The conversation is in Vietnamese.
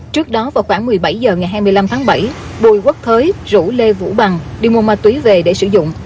trước đó vào khoảng một mươi bảy h ngày hai mươi năm tháng bảy bùi quốc thới rủ lê vũ bằng đi mua ma túy về để sử dụng